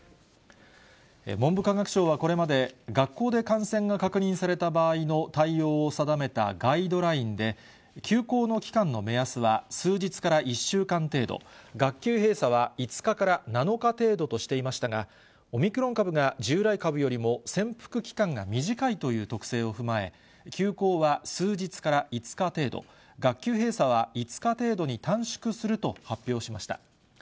文部科学省はこれまで、学校で感染が確認された場合の対応を定めたガイドラインで、休校の期間の目安は数日から１週間程度、学級閉鎖は５日から７日程度としていましたが、オミクロン株が従来株よりも潜伏期間が短いという特性を踏まえ、休校は数日から５日程度、学級閉鎖は５日程度に短縮すると発表しました。